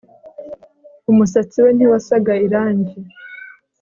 Umusatsi we ntiwasaga irangi